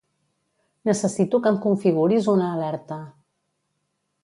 Necessito que em configuris una alerta.